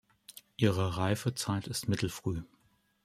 Ihre Reifezeit ist mittelfrüh.